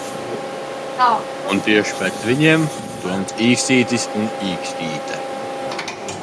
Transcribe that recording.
Un tieši pēc viņiem, Toms Īkstītis un Īkstīte!